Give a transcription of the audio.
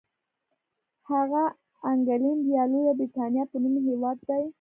هغه انګلنډ یا لویه برېټانیا په نوم هېواد دی.